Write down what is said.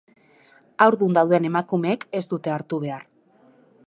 Haurdun dauden emakumeek ez dute hartu behar.